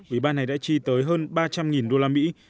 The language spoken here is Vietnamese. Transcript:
ủy ban này đã chi tới hơn ba trăm linh đô la mỹ